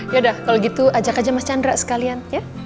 yaudah kalau gitu ajak aja mas chandra sekalian ya